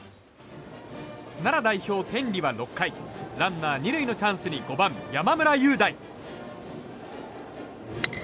奈良代表・天理は６回ランナー２塁のチャンスに５番、山村侑大。